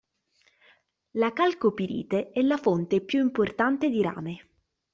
La calcopirite è la fonte più importante di rame.